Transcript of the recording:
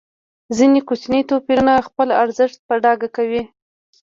ځینې کوچني توپیرونه خپل ارزښت په ډاګه کوي.